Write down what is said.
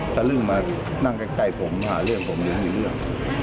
ถ้าลืมมานั่งใกล้ผมหาเรื่องผมไม่มีเรื่อง